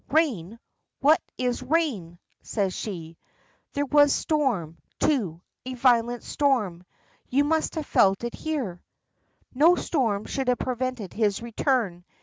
"Rain, what is rain?" says she. "There was storm, too, a violent storm; you must have felt it here." "No storm should have prevented his return.